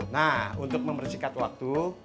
nah untuk membersihkan waktu